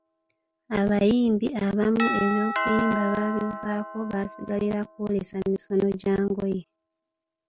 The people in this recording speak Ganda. Abayimbi abamu eby’okuyimba baabivaako basigalira kw’oleesa misono gya ngoye.